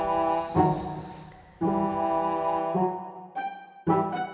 aku bisa lebih bebas